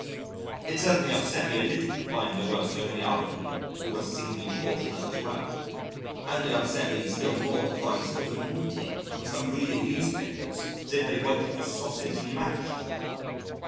It certainly upset me a little to find there were so many other people who were singularly fortunate as well, and it upset me still more to find some of them knitting and some reading newspapers as if they waited for sausage and mashed.